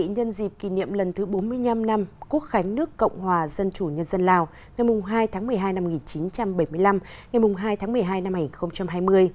nhân dịp kỷ niệm lần thứ bốn mươi năm năm quốc khánh nước cộng hòa dân chủ nhân dân lào ngày hai tháng một mươi hai năm một nghìn chín trăm bảy mươi năm ngày hai tháng một mươi hai năm hai nghìn hai mươi